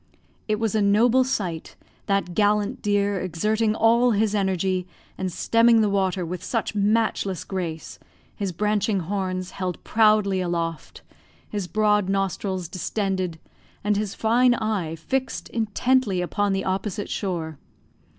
It was a noble sight, that gallant deer exerting all his energy, and stemming the water with such matchless grace, his branching horns held proudly aloft, his broad nostrils distended, and his fine eye fixed intently upon the opposite shore.